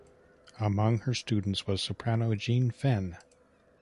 Among her students was soprano Jean Fenn.